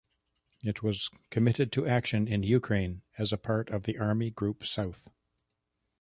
It was committed to action in Ukraine as a part of Army Group South.